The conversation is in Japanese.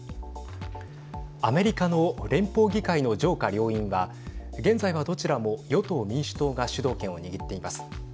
アメリカの連邦議会の上下両院は現在はどちらも与党・民主党が主導権を握っています。